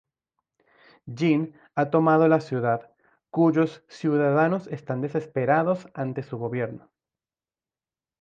Jean ha tomado la ciudad, cuyos ciudadanos están desesperados ante su gobierno.